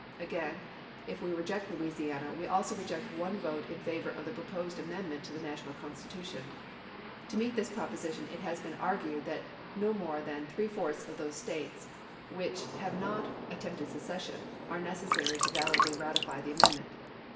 " Again, if we reject Louisiana, we also reject one vote in favor of the proposed amendment to the national Constitution. To meet this propo sition it has been argued that no more than three fourths of those States which have not at tempted secession are necessary to validly ratify the amendment.